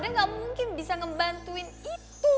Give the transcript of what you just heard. anda gak mungkin bisa ngebantuin itu